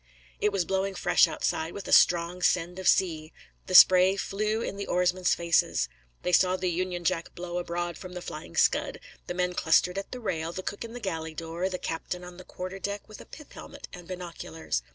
It was blowing fresh outside, with a strong send of sea. The spray flew in the oarsmen's faces. They saw the Union Jack blow abroad from the Flying Scud, the men clustered at the rail, the cook in the galley door, the captain on the quarter deck with a pith helmet and binoculars.